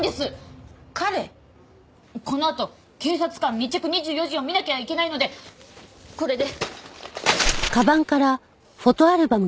このあと『警察官密着２４時』を見なきゃいけないのでこれで。